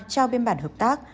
trao biên bản hợp tác